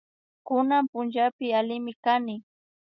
Kunan punllapi allimi kani